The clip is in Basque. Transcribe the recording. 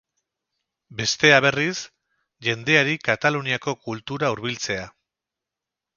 Bestea berriz, jendeari kataluniako kultura hurbiltzea.